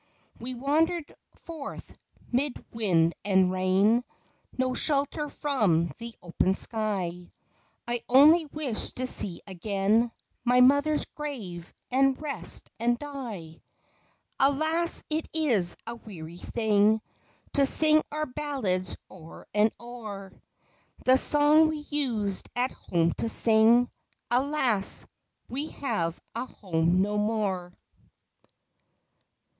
We wandered forth 'mid wind and rain ; No shelter from the open sky; I only wish to see again My mother's grave, and rest, and die. Alas, it is a weary thing To sing our ballads o'er and o'er — The song we used at home to sing — Alas, we have a home no more.